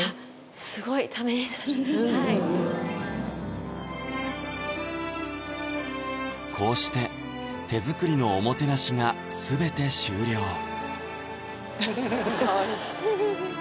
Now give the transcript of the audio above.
すごいためになるはいこうして手作りのおもてなしが全て終了フフフフかわいい